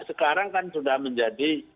sekarang kan sudah menjadi